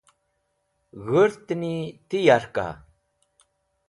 G̃hũrtẽni ti yarka?